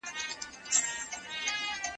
ځینو هېوادونو کې دا طریقه مناسبه ده.